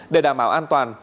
để đảm bảo an toàn